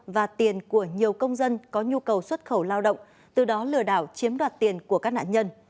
và tiền của nhiều công dân có nhu cầu xuất khẩu lao động từ đó lừa đảo chiếm đoạt tiền của các nạn nhân